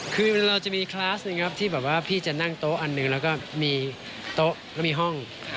คือเราจะมีคลาสหนึ่งครับที่แบบว่าพี่จะนั่งโต๊ะอันหนึ่งแล้วก็มีโต๊ะก็มีห้อง